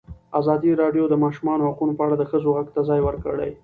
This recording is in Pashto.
ازادي راډیو د د ماشومانو حقونه په اړه د ښځو غږ ته ځای ورکړی.